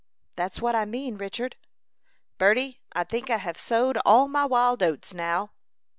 "That's what I mean, Richard." "Berty, I think I have sowed all my wild oats now."